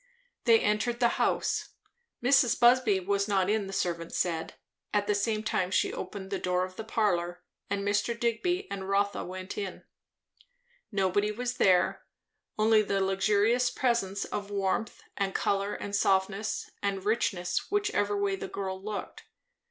They entered the house. Mrs. Busby was not in, the servant said; at the same time she opened the door of the parlour, and Mr. Digby and Rotha went in. Nobody was there; only the luxurious presence of warmth and colour and softness and richness, whichever way the girl looked.